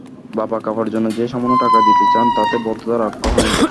বাবা কাপড়ের জন্য যে সামান্য টাকা দিতে চান তাতে ভদ্রতা রক্ষা হয় না।